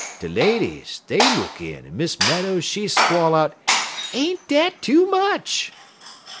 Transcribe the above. De ladies dey look in, en Miss Meadows she squall out, 'Ain't dat too much?'